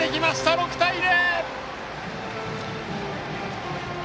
６対０！